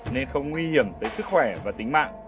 nên không nguy hiểm tới sức khỏe và tính mạng